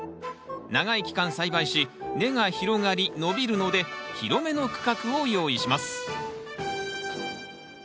長い期間栽培し根が広がり伸びるので広めの区画を用意します